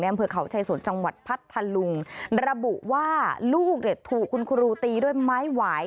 อำเภอเขาชายสนจังหวัดพัทธลุงระบุว่าลูกเนี่ยถูกคุณครูตีด้วยไม้หวาย